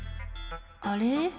あれ？